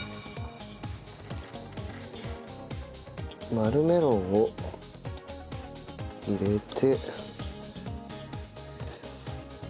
丸メロンを入れて。